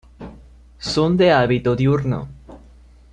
Son de hábito diurno.